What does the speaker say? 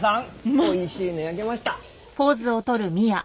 おいしいの焼けました。